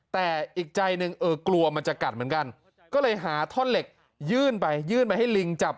แต่อีกใจหนึ่งเออกลัวมันจะกัดเหมือนกันก็เลยหาท่อนเหล็กยื่นไปยื่นไปให้ลิงจับ